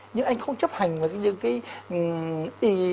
nhưng anh không chấp hành những cái